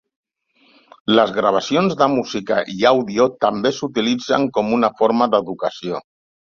Les gravacions de música i àudio també s"utilitzen com una forma d"educació.